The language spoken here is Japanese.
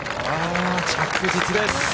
着実です。